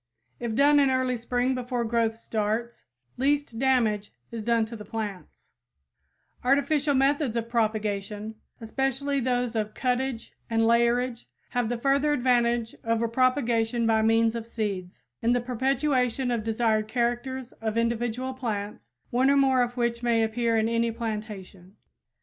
If done in early spring before growth starts, least damage is done to the plants. [Illustration: Holt's Mammoth and Common Sage About Half Natural Size] Artificial methods of propagation, especially those of cuttage and layerage, have the further advantage over propagation by means of seeds, in the perpetuation of desired characters of individual plants, one or more of which may appear in any plantation.